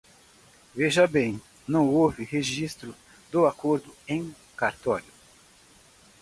Veja bem, não houve registro do acordo em cartório.